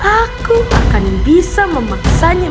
aku akan bisa memaksanya